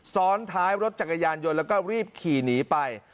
ซ้อนท้ายรถจักรยานยนต์แล้วก็รีบขี่หนีไป